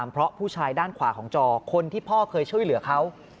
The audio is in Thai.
เพราะผู้ชายด้านขวาของจอคนที่พ่อเคยช่วยเหลือเขา